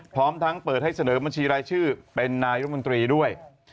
พร้อมทั้งเปิดให้เสนอบัญชีรายชื่อเป็นนายรัฐมนตรีด้วย